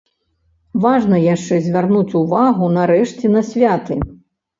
Важна яшчэ звярнуць увагу нарэшце на святы.